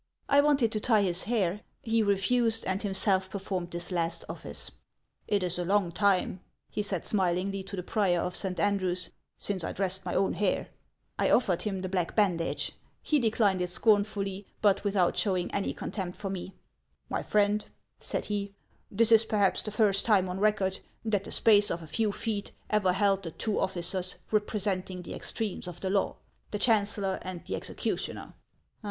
I wanted to tie his hair ; he refused, and himself performed this last office. ' It 's a long time,' he said smilingly to the prior of St. An drew's, ' since I dressed my own hair.' I offered him the 154 HANS OF ICELAND. black bandage ; be declined it scornfully, but without showing any contempt for me. ' My friend,' said he, ' this is perhaps the first time on record, that the space of a few feet ever held the two officers representing the ex tremes of the law, — the chancellor and the executioner